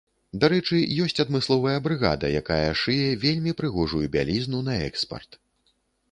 Дарэчы, ёсць адмысловая брыгада, якая шые вельмі прыгожую бялізну на экспарт.